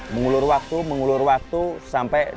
mengulur waktu sampai